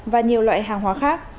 và nhiều loại hàng hóa khác